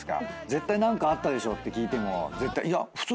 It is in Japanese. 絶対何かあったでしょって聞いても。